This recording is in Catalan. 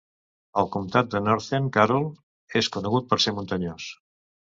El comtat de Northern Carroll és conegut per ser muntanyós.